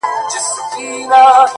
ستا و مخ ته چي قدم دی خو ته نه يې!